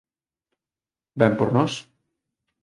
Ben por nós.